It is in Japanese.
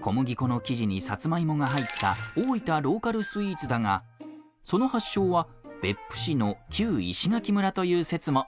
小麦粉の生地にサツマイモが入った大分ローカルスイーツだがその発祥は別府市の旧石垣村という説も。